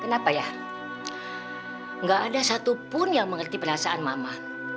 kenapa ya nggak ada satupun yang mengerti perasaan mama